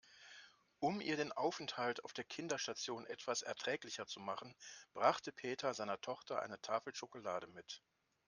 Um ihr den Aufenthalt auf der Kinderstation etwas erträglicher zu machen, brachte Peter seiner Tochter eine Tafel Schokolade mit.